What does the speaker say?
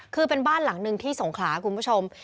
คือเป็นบ้านหลังหนึ่งที่สงขลาคุณผู้ชม